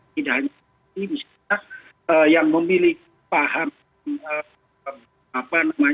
tidak hanya kita yang memilih paham